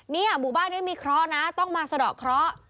หมู่บ้านนี้มีเคราะห์นะต้องมาสะดอกเคราะห์